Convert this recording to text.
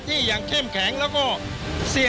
สถานการณ์ข้อมูล